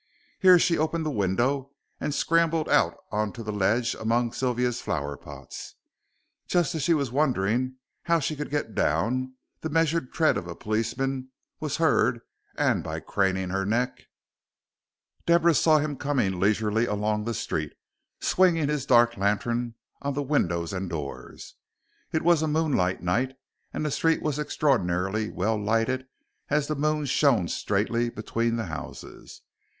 Here she opened the window and scrambled out on to the ledge among Sylvia's flower pots. Just as she was wondering how she could get down, the measured tread of a policeman was heard, and by craning her neck Deborah saw him coming leisurely along the street, swinging his dark lantern on the windows and doors. It was a moonlight night and the street was extraordinarily well lighted as the moon shone straightly between the houses.